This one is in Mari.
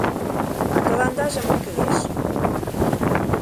А тыландаже мо кӱлеш?